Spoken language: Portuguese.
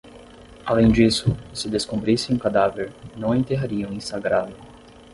Além disso, se descobrissem o cadáver, não a enterrariam em sagrado.